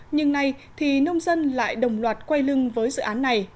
nhưng nay thì nông dân lại đồng loạt quay lưng với dự án này